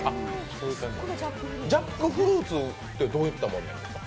そういう感じジャックフルーツってどういったものなんですか？